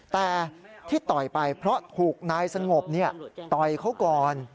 แต่ที่ต่อยไปเพราะถูกนายสงบต่อยเขาก่อน